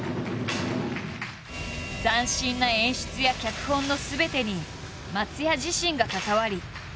斬新な演出や脚本のすべてに松也自身が関わり作り上げた。